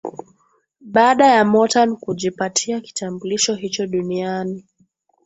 Baada ya Motown kujipatia kitambulisho hicho duniani